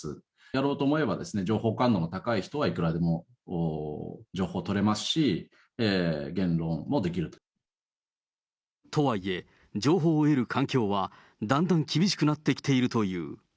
やろうと思えば、情報感度の高い人は、いくらでも情報取れますし、とはいえ、情報を得る環境は、だんだん厳しくなってきているという。